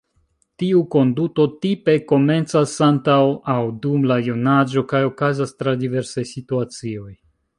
Tiu konduto tipe komencas antaŭ aŭ dum la junaĝo, kaj okazas tra diversaj situacioj.